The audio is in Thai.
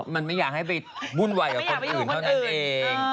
มันไม่อยากให้ไปวุ่นวายกับคนอื่นเท่านั้นเอง